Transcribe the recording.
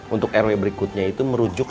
untuk rw berikutnya itu merujuk